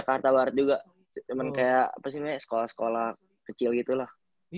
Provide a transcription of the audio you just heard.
jakarta barat juga cuman kayak apa sih sekolah sekolah kecil gitu lah